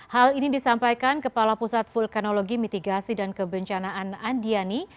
hal ini disampaikan kepala pusat vulkanologi mitigasi dan kebencanaan andiani